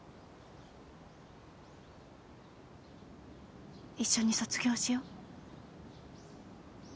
一緒に卒業しよう。